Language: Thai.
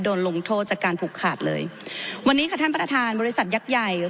ลงโทษจากการผูกขาดเลยวันนี้ค่ะท่านประธานบริษัทยักษ์ใหญ่